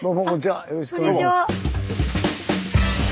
よろしくお願いします。